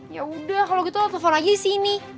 ya udah kalau gitu lo telepon lagi di sini